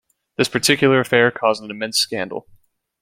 This particular affair caused an immense scandal.